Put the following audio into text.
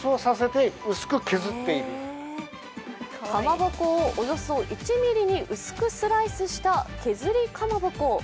かまぼこをおよそ１ｍｍに薄くスライスした削りかまぼこ。